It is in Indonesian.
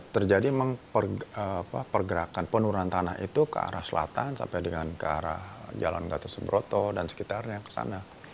terjadi memang pergerakan penurunan tanah itu ke arah selatan sampai dengan ke arah jalan gatot subroto dan sekitarnya ke sana